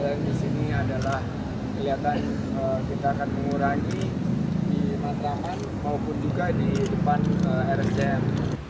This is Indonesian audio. yang di sini adalah kelihatan kita akan mengurangi di matraman maupun juga di depan rsjm